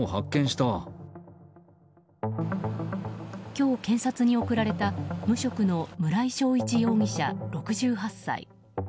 今日、検察に送られた無職の村井正一容疑者、６８歳。